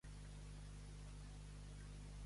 Quins supermercats hi ha per aquí amb pàrquing?